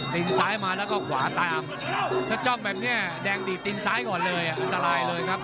ตินซ้ายมาแล้วก็ขวาตามถ้าจ้องแบบนี้แดงดีดตีนซ้ายก่อนเลยอันตรายเลยครับ